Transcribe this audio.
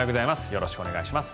よろしくお願いします。